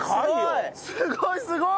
すごいすごい！